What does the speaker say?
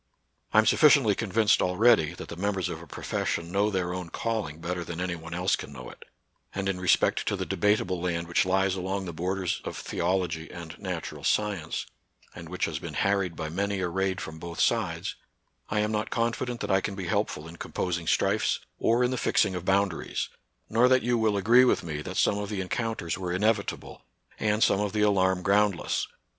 I am sufficiently convinced already that the members 4 NATURAL SCIENCE AND RELIQION. of a profession know their own calling better than any one else can know it ; and in respect to the debatable land which lies along the bor ders of theology and natural science, and which has been harried by many a raid from both sides, I am not confident that I can be helpful in composing strifes or in the fixing of bounda ries ; nor that you will agree with me that some of the encounters were inevitable, and some of the alarm groundless.